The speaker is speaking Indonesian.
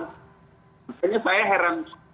maksudnya saya heran